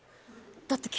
だって。